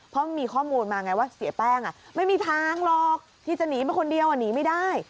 เพราะมีข้อมูลมาไงว่าเสียแป้งไม่มีทางหรอกที่จะหนีมาคนเดียวหนีไม่ได้